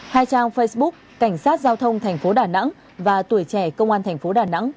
hai trang facebook cảnh sát giao thông tp đà nẵng và tuổi trẻ công an tp đà nẵng